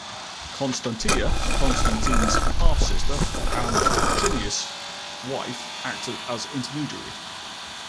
Constantia, Constantine's half-sister and Licinius' wife, acted as intermediary.